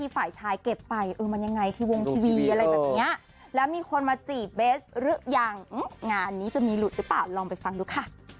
เป็นพ่อเป็นแม่ที่ดีที่ช่วยกันเลี้ยงลูก